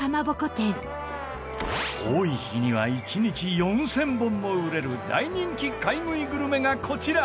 蒲鉾店多い日には１日４０００本も売れる大人気買い食いグルメがこちら！